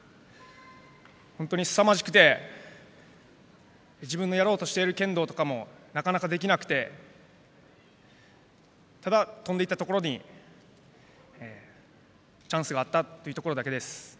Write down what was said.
本当にすさまじくて自分のやろうとしている剣道とかもなかなかできなくてただ、飛んできたところにチャンスがあったというところだけです。